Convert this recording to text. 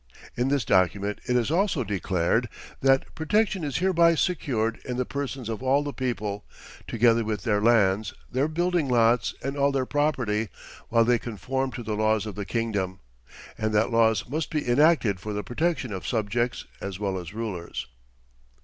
In this document it is also declared that 'protection is hereby secured to the persons of all the people, together with their lands, their building lots and all their property while they conform to the laws of the kingdom,' and that laws must be enacted for the protection of subjects as well as rulers."